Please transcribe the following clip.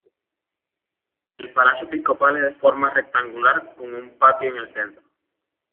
El Palacio Episcopal es de forma rectangular con un patio en el centro.